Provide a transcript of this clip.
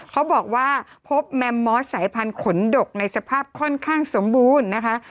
เขาบอกว่าพบแมมมอสสายพันธุ์ขนดกในสภาพค่อนข้างสมบูรณ์นะคะ